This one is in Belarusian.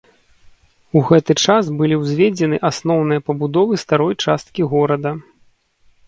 У гэты час былі ўзведзены асноўныя пабудовы старой часткі горада.